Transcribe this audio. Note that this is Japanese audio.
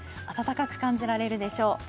暖かく感じられるでしょう。